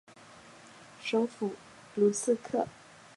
首府卢茨克。